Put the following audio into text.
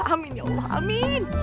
amin ya allah amin